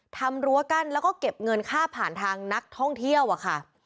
รั้วกั้นแล้วก็เก็บเงินค่าผ่านทางนักท่องเที่ยวอะค่ะ